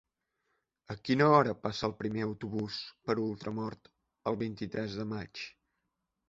A quina hora passa el primer autobús per Ultramort el vint-i-tres de maig?